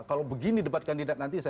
kalau begini debat kandidat nanti saya